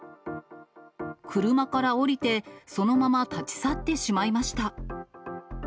車から降りて、そのまま立ち去ってしまいました。